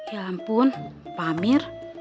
ya ampun pak amir